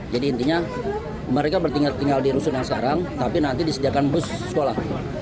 jadi intinya mereka tinggal di rusun yang sekarang tapi nanti disediakan bus sekolah